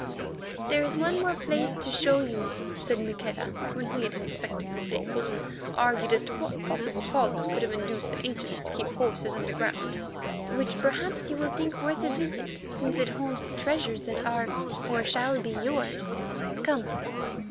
"There is one more place to show you," said Maqueda, when we had inspected the stables and argued as to what possible causes could have induced the ancients to keep horses underground, "which perhaps you will think worth a visit, since it holds the treasures that are, or shall be, yours. Come!"